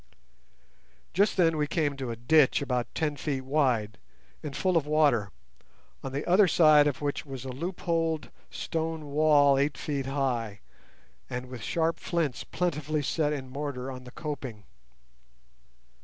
Just then we came to a ditch about ten feet wide, and full of water, on the other side of which was a loopholed stone wall eight feet high, and with sharp flints plentifully set in mortar on the coping.